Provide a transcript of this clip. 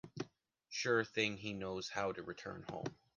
Sure thing he knows how to return home.